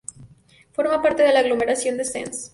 Forma parte de la aglomeración de Sens.